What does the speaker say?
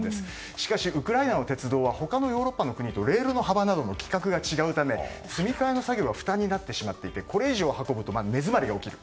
しかし、ウクライナの鉄道は他のヨーロッパの国とレールの幅などの規格が違うため積み替えの作業が負担になりこれ以上運ぶと根詰まりが起きる。